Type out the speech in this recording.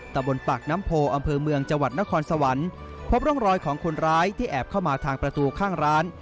ตะบนปากน้ำโพอำเภอเมืองจังหวัดนครสวรรค์พบร่องรอยของคนร้ายที่แอบเข้ามาทางประตูข้างร้าน